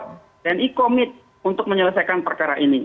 adalah salah satu jawaban dari tni bahwa tni komit untuk menyelesaikan perkara ini